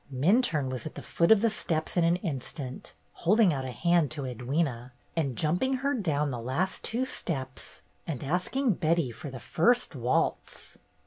Minturne was at the foot of the steps in an instant, holding out a hand to Edwyna and jumping her down the last two steps, and ask ing Betty for the first waltz.